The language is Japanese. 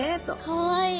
かわいい！